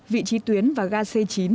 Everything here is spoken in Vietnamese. vị trí tuyến và gà c chín